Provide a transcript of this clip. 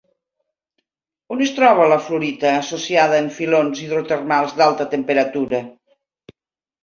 On es troba la fluorita associada en filons hidrotermals d'alta temperatura?